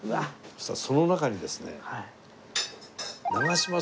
そしたらその中にですね。